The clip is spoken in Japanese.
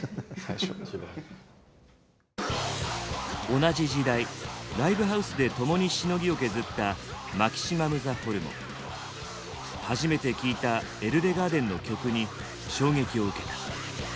同じ時代ライブハウスで共にしのぎを削った初めて聴いたＥＬＬＥＧＡＲＤＥＮの曲に衝撃を受けた。